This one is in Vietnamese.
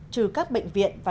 trừ các bệnh viện